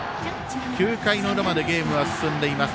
９回の裏までゲームは進んでいます。